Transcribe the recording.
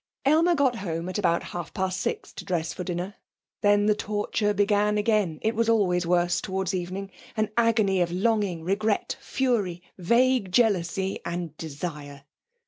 Aylmer got home at about half past six to dress for dinner. Then the torture began again. It was always worse towards evening an agony of longing, regret, fury, vague jealousy and desire.